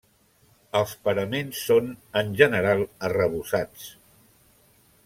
Els paraments són, en general, arrebossats.